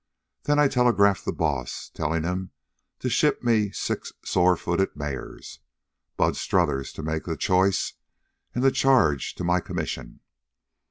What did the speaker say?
Then I telegraphed the Boss, tellin' him to ship me six sore footed mares, Bud Strothers to make the choice, an' to charge to my commission.